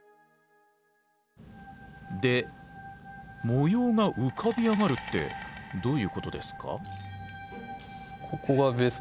で模様が浮かび上がるってどういうことですか？